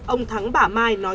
ông thắng bả mai nói